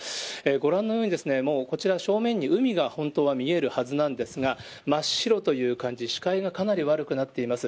ご覧のようにもうこちら正面に海が本当は見えるはずなんですが、真っ白という感じ、視界がかなり悪くなっています。